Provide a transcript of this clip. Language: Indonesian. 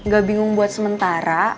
gak bingung buat sementara